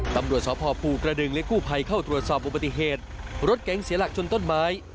ตำรวจสพภูกระดึงและกู้ภัยเข้าตรวจสอบอุบัติเหตุรถเก๋งเสียหลักชนต้นไม้